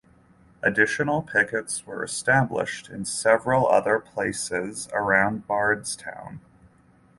Additional pickets were established in several other places around Bardstown.